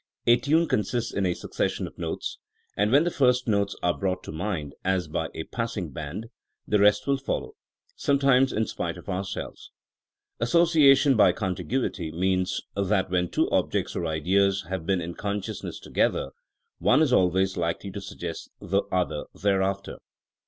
A tune con sists in a succession of notes, and when the first notes are brought to mind, as by a passing band, the rest will follow — sometimes in spite of ourselves. Association by Contiguity means that when two objects or ideas have been iil con sciousness together, one is always likely to Sug gest the other thereafter.